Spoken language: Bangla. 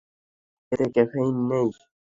এতে ক্যাফেইন নেই।